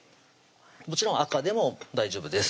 もちろん赤でも大丈夫です